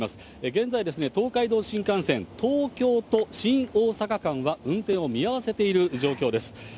現在ですね、東海道新幹線、東京と新大阪間は運転を見合わせている状況です。